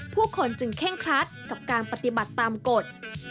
ผู้คนจึงเคร่งครัดกับการปฏิบัติตามกฎ